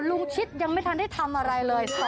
ลุงชิดยังไม่ทันที่ทำอะไรเลย